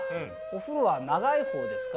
お風呂は長いほうですか？